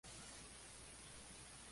Solo Rona está libre.